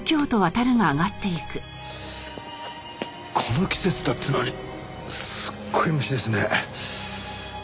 この季節だっていうのにすごい虫ですね。